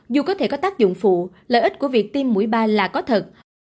dù có thể có tác dụng phụ lợi ích của việc tiêm mũi ba là có thật